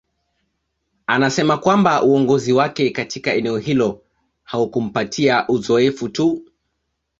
Anasema kwamba uongozi wake katika eneo hilo haukumpatia uzoefu tu